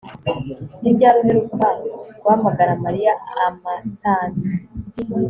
Ni ryari uheruka guhamagara Mariya Amastan